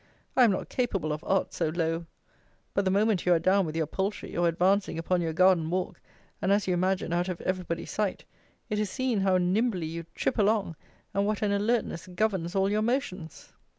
I am not capable of arts so low.] But the moment you are down with your poultry, or advancing upon your garden walk, and, as you imagine, out of every body's sight, it is seem how nimbly you trip along; and what an alertness governs all your motions.